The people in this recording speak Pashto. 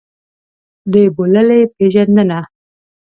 د بوللې پېژندنه.